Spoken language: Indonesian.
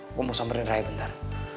ngomong samberin raya bentar